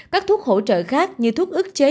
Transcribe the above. các thuốc hỗ trợ khác như thuốc ức chế